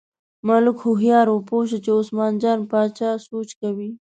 ملک هوښیار و، پوه شو چې عثمان جان باچا سوچ کوي.